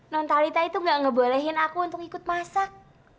nontalita itu nggak ngebolehin aku untuk ikut masak